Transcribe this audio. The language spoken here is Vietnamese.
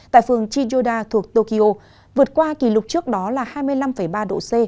tại phường chioda thuộc tokyo vượt qua kỷ lục trước đó là hai mươi năm ba độ c